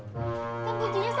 iya bang tahu